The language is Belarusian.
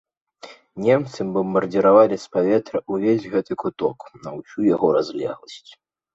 Немцы бамбардзіравалі з паветра ўвесь гэты куток на ўсю яго разлегласць.